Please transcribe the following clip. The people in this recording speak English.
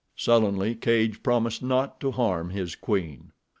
Sullenly Cadj promised not to harm his queen.